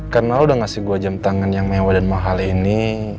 karena lo udah ngasih gue jam tangan yang mewah dan mahal ini